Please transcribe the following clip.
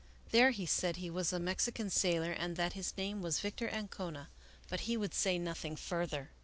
There he said he was a Mexican sailor and that his name was Victor Ancona ; but he would say nothing further.